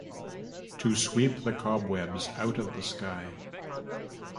To sweep the cobwebs out of the sky.